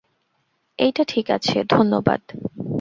এইটা ঠিক আছে, ধন্যবাদ।